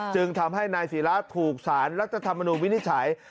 จึงทำให้นายศิราถูกสารรัฐธรรมนุนวินิจฉัย